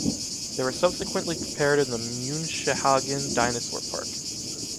They were subsequently prepared in the Münchehagen Dinosaur Park.